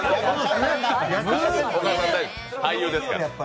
俳優ですから。